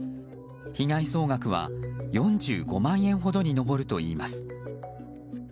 被害総額は４５万円ほどに上るといいます。